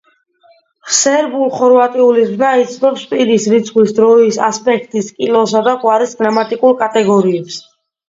სერბულ-ხორვატული ზმნა იცნობს პირის, რიცხვის, დროის, ასპექტის, კილოსა და გვარის გრამატიკულ კატეგორიებს.